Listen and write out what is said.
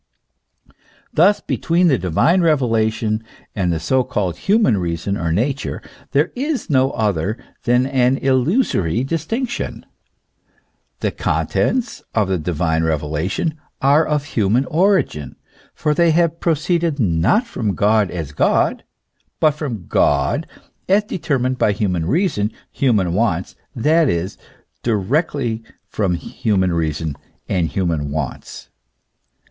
Thus, between the divine revelation and the so called human reason or nature, there is no other than an illusory distinction ; the contents of the divine reve lation are of human origin, for they have proceeded not from God as God, but from God as determined by human reason, human wants, that is, directly from human reason and human wants.